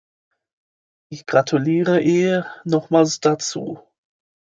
Ich gratuliere ihr nochmals dazu.